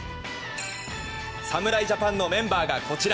侍ジャパンのメンバーがこちら。